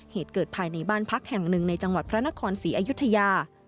เหตุเกิดภายในบ้านพักแห่งหนึ่งในจังหวัดพระนครศรีอยุธยา